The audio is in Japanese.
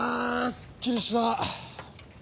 すっきりした！